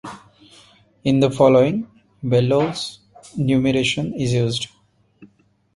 In the following, Bellow's numeration is used.